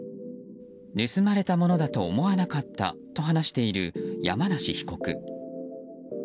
盗まれたものだと思わなかったと話している山梨被告。